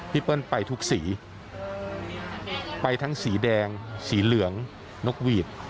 เปิ้ลไปทุกสีไปทั้งสีแดงสีเหลืองนกหวีด